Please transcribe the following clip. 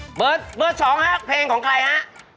หมายเลข๒ครับเพลงของใครฮะ